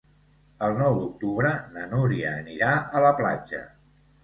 El nou d'octubre na Núria anirà a la platja.